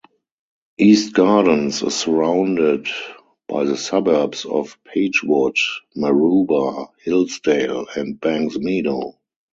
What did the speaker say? Eastgardens is surrounded by the suburbs of Pagewood, Maroubra, Hillsdale and Banksmeadow.